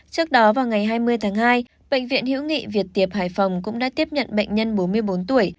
trước đó vào ngày hai mươi tháng hai bệnh viện hữu nghị việt tiệp hải phòng cũng đã tiếp nhận bệnh nhân bốn mươi bốn tuổi